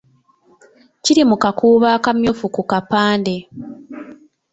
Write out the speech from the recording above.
Kiri mu kakuubo akamyufu ku kapande.